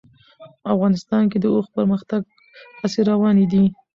افغانستان کې د اوښ د پرمختګ هڅې روانې دي.